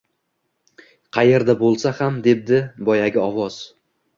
Qayerda bo’lsa ham!-debdi boyagi ovoz.